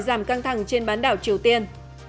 giảm căng thẳng trên bán đảo triều tiên